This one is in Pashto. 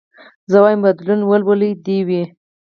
زه وايم بدلون او ولولې دي وي